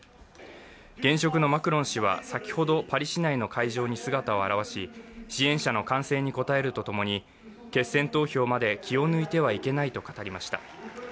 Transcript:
現職のマクロン氏は先ほどパリ市内の会場に姿を現し支援者の歓声に応えるとともに、決選投票まで気を抜いてはいけないと語りました。